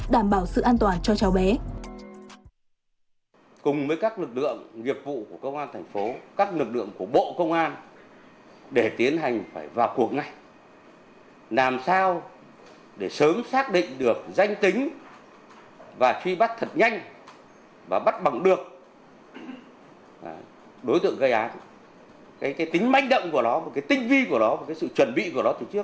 đảm bảo sự an toàn cho cháu bé